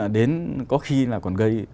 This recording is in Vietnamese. đến có khi là còn gây